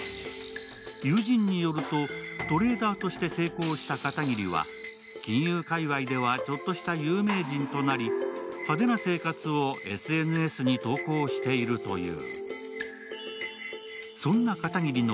友人によると、トレーダーとして成功した片桐は、金融界隈ではちょっとした有名人となり、派手な生活をＳＮＳに投稿しているという。